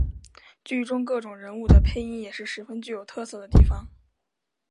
剧中各种人物的配音也是十分具有特色的地方。